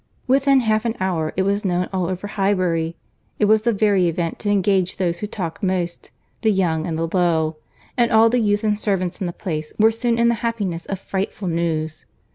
Within half an hour it was known all over Highbury. It was the very event to engage those who talk most, the young and the low; and all the youth and servants in the place were soon in the happiness of frightful news.